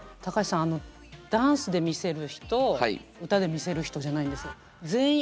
高橋さんあのダンスで魅せる人歌で魅せる人じゃないんです。